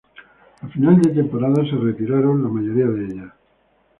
A final de temporada se retiraron la mayoría de ellas.